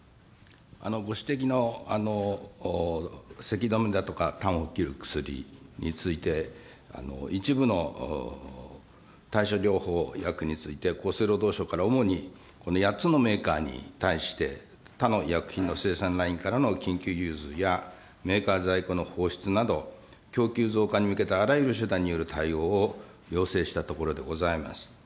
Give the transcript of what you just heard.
ご指摘のせき止めだとか、たんを切る薬などについて、一部の対処療法薬について、厚生労働省から主にこの８つのメーカーに対して他の医薬品の生産ラインからの緊急融通やメーカー在庫の放出など、供給増加に向けたあらゆる手段による対応を要請したところでございます。